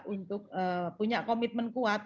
untuk punya komitmen kuat